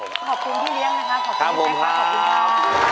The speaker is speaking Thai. ขอบคุณพี่เลี้ยงนะครับขอบคุณนะครับขอบคุณครับ